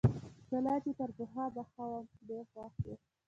زه لا چي تر پخوا به ښه وم، ډېر خوښ وو.